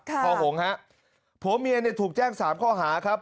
ครับของหงฮะผัวเมียเนี้ยถูกแจ้งสามข้อหาครับ